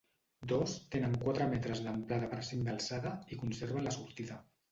Dos tenen quatre metres d'amplada per cinc d'alçada i conserven la sortida.